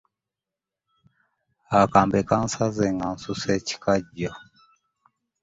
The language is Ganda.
Akambe kansazze nga nsusa ekikagyo.